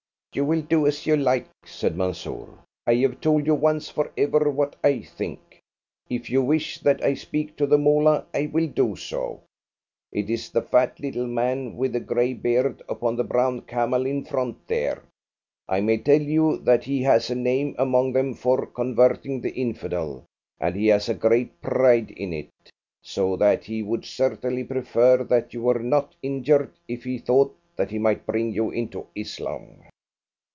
"You will do as you like," said Mansoor. "I have told you once for ever what I think. If you wish that I speak to the Moolah, I will do so. It is the fat, little man with the grey beard, upon the brown camel in front there. I may tell you that he has a name among them for converting the infidel, and he has a great pride in it, so that he would certainly prefer that you were not injured if he thought that he might bring you into Islam."